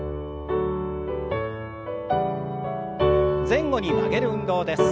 前後に曲げる運動です。